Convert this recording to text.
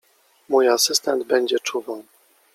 Mój asystent będzie czuwał.